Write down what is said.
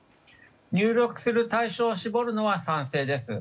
入力する対象を絞るのは賛成です。